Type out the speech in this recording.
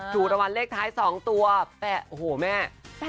ถูกรวรรณเลขท้าย๒ตัวโอ้โหแม่